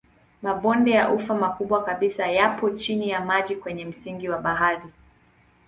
Mabonde ya ufa makubwa kabisa yapo chini ya maji kwenye misingi ya bahari.